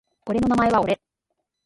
俺の名前は俺